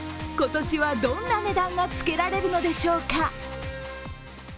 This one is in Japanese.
今年はどんな値段がつけられるのでしょうか。